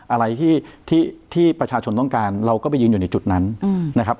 อะไรที่ประชาชนต้องการเราก็ไปยืนอยู่ในจุดนั้นนะครับ